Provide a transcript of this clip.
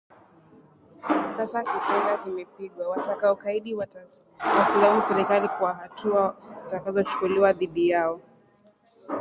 Sasa kipyenga kimepigwa watakaokaidi wasiilaumu Serikali kwa hatua zitakazochukuliwa dhidi yao